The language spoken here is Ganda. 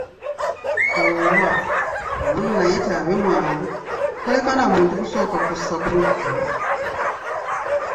Owa ono nno naye taabe mwangu, taleka na muntu kusooka kussa ku mukka!